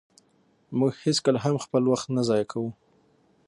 مونږ هيڅکله هم خپل وخت نه ضایع کوو.